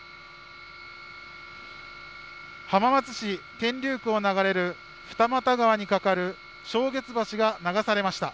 浜松市天竜区を流れる二俣川に架かるしょうげつ橋が流されました。